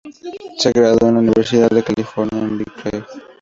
Se graduó en la Universidad de California en Berkeley.